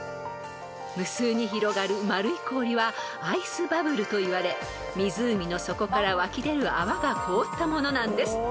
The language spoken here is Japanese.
［無数に広がる丸い氷はアイスバブルといわれ湖の底から湧き出る泡が凍ったものなんです］